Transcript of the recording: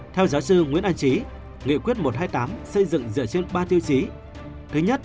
theo giáo sư nguyễn anh trí nghị quyết một trăm hai mươi tám xây dựng dựa trên ba tiêu chí thứ nhất